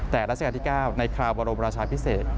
แต่ราชการที่๙ในคราวบรมราชาพิเศษ